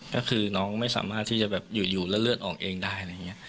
ก็คือน้องไม่สามารถที่จะอยู่แล้วเลือดออกเองได้